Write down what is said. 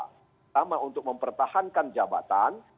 pertama untuk mempertahankan jabatan